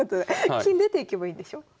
金出ていけばいいんでしょ？